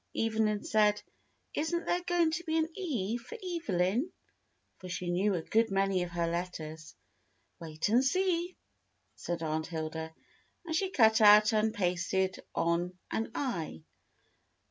Evelyn said, "Isn't there going to be an E for Evelyn?" for she knew a good many of her letters. "Wait and see," said Aunt Hilda, and she cut out and pasted on an I.